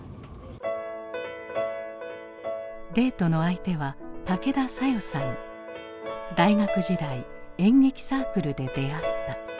デートの相手は大学時代演劇サークルで出会った。